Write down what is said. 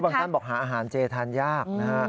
ท่านบอกหาอาหารเจทานยากนะฮะ